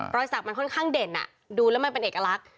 สักมันค่อนข้างเด่นดูแล้วมันเป็นเอกลักษณ